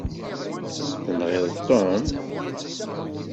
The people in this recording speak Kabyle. Tenɣiḍ Tom?